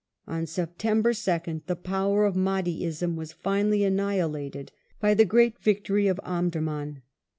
On Septeml)er 2nd the power of Mahdiism was finally annihilated by the great victory of Om durman.